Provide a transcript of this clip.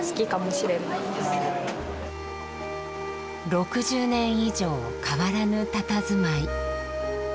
６０年以上変わらぬたたずまい。